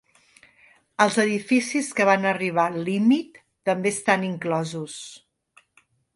Els edificis que ja van arribar al límit també estan inclosos.